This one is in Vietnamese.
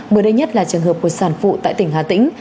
mới đây nhất là trường hợp của sản phụ tại tỉnh hà tĩnh